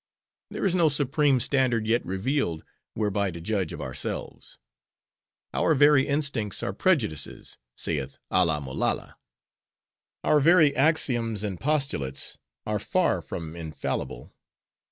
There is no supreme standard yet revealed, whereby to judge of ourselves; 'Our very instincts are prejudices,' saith Alla Mallolla; 'Our very axioms, and postulates are far from infallible.